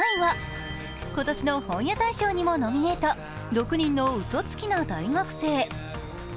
今年の本屋大賞にもノミネート、「６人の嘘つきな大学生」。